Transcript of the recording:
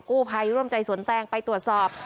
กู้ภัยร่วมใจสวนแตงไปตรวจสอบ